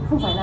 không phải là